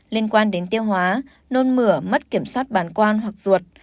liên quan đến tiêu hóa nôn mửa mất kiểm soát bản quan hoặc ruột